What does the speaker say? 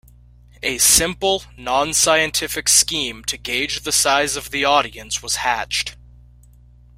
A simple, non-scientific scheme to gauge the size of the audience was hatched.